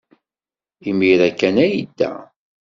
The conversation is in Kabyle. Imir-a kan ay yedda.